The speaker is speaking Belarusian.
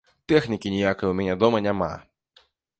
Тэхнікі ніякай у мяне дома няма.